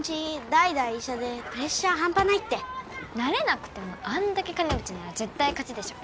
代々医者でプレッシャー半端ないってなれなくてもあんだけ金持ちなら絶対勝ちでしょ